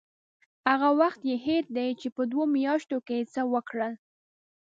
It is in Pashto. هغه وخت یې هېر دی چې په دوو میاشتو کې یې څه وکړل.